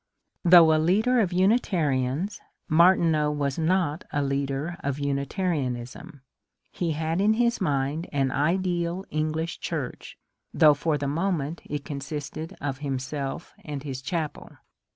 Though a leader of Unitarians, Martineau was not a leader of Unitarianism. He had in his mind an ideal English church, though for the moment it consisted of himself and his chapel.